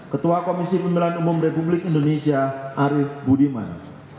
ketua komisi pemilihan umum republik indonesia arief budiman